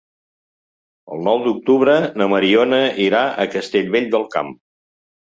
El nou d'octubre na Mariona irà a Castellvell del Camp.